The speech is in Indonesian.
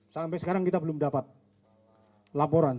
sampai sekarang kita belum dapat laporan